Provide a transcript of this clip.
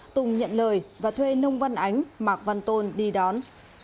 tùng nhận lời và thuê nông văn ánh mạc văn tôn đi đón